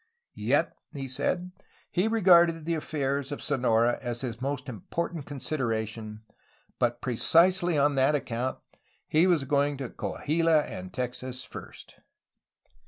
Yet, he said, he regarded the affairs of Sonora as his most important con sideration, but precisely on that account he was going to Coahuila and Texas first!